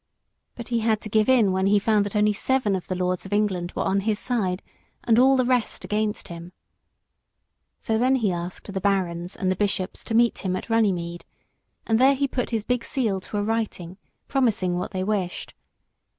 But he had to give in when he found that only seven of the lords of England were on his side and all the rest against him. So then he asked the barons and the bishops to meet him at Runnymede and there he put his big seal to a writing, promising what they wished.